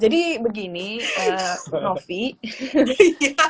jadi begini novi kita nggak beli baju lebaran soalnya rumah kita kecil